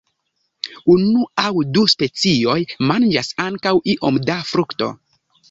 Unu aŭ du specioj manĝas ankaŭ iom da frukto.